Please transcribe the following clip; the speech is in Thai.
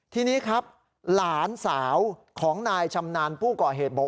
ทีนี้ครับหลานสาวของนายชำนาญผู้ก่อเหตุบอก